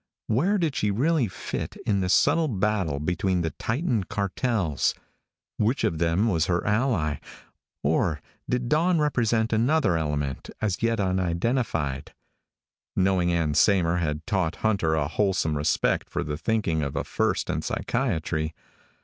Where did she really fit in the subtle battle between the titan cartels? Which of them was her ally or did Dawn represent another element as yet unidentified? Knowing Ann Saymer had taught Hunter a wholesome respect for the thinking of a First in Psychiatry.